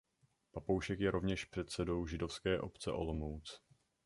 Papoušek je rovněž předsedou Židovské obce Olomouc.